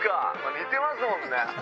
似てますもんね。